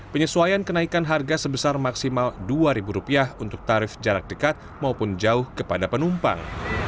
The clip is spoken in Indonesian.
penyesuaian kenaikan harga sebesar maksimal rp dua untuk tarif jarak dekat maupun jauh kepada penumpang